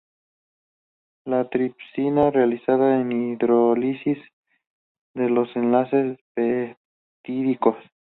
La tripsina realiza la hidrólisis de los enlaces peptídicos.